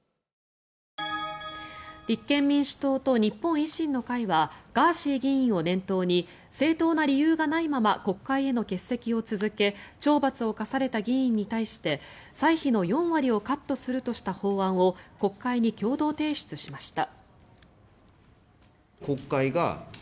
立憲民主党と日本維新の会はガーシー議員を念頭に正当な理由がないまま国会への欠席を続け懲罰を科された議員に対して歳費の４割をカットするとした法案を国会に共同提出しました。